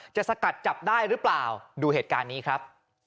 สกัดจับได้หรือเปล่าดูเหตุการณ์นี้ครับ